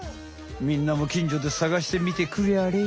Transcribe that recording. みんなもきんじょで探してみてくりゃれ。